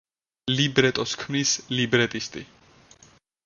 ლიბრეტოს ქმნის ლიბრეტისტი.